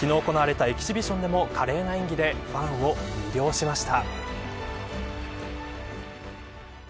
昨日行われたエキシビションでも華麗な演技でファンを魅了しました。